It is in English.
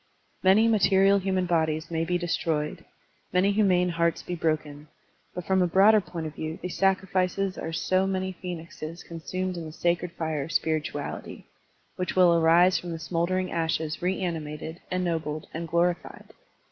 Many material human bodies may Digitized by Google 212 SERMONS OF A BUDDHIST ABBOT be destroyed, many humane hearts be broken, but from a broader point of view these sacrifices are so many phenixes consumed in the sacred fire of spirituaUty, which will arise from the smouldering ashes reanimated, ennobled, and glorified.